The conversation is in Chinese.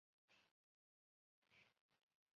室町时代江户时代昭和时期平成时期